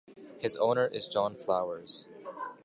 His owner is John Flowers.